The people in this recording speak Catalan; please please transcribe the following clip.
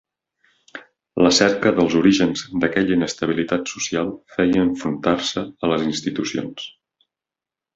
La cerca dels orígens d'aquella inestabilitat social feia enfrontar-se a les institucions.